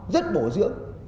rất bổ dưỡng